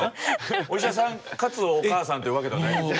お医者さんかつお母さんというわけではないんですよ。